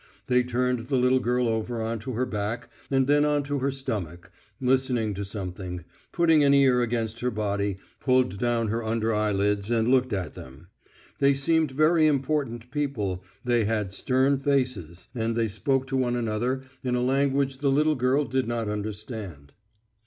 They turned the little girl over on to her back and then on to her stomach, listened to something, putting an ear against her body, pulled down her under eyelids and looked at them. They seemed very important people, they had stern faces, and they spoke to one another in a language the little girl did not understand.